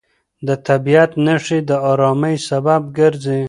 د طبیعت نښې د ارامۍ سبب ګرځي.